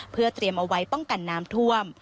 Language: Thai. เพื่อเตรียมเอาไว้ป้องกันน้ำท่วม